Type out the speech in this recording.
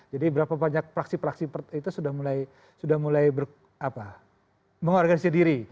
jadi berapa banyak praksi praksi itu sudah mulai mengorganisasi diri